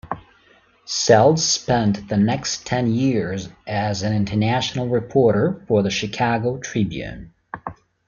Seldes spent the next ten years as an international reporter for the "Chicago Tribune".